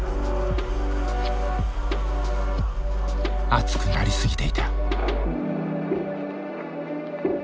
熱くなりすぎていた。